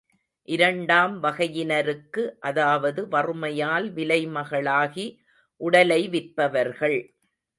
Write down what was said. இரண்டாம் வகையினருக்கு, அதாவது வறுமையால் விலை மகளாகி உடலை விற்பவர்கள்.